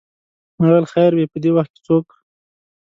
ما ویل خیر وې په دې وخت څوک و.